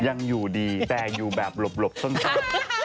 ยังอยู่ดีแต่อยู่แบบหลบซ่อน